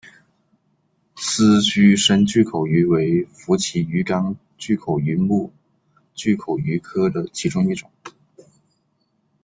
丝须深巨口鱼为辐鳍鱼纲巨口鱼目巨口鱼科的其中一种。